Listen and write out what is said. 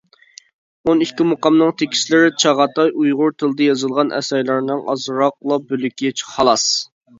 ئون ئىككى مۇقامنىڭ تېكىستلىرى چاغاتاي ئۇيغۇر تىلىدا يېزىلغان ئەسەرلەرنىڭ ئازراقلا بۆلىكى خالاس.